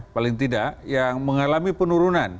paling tidak yang mengalami penurunan